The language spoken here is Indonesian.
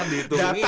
dan dihitungin ya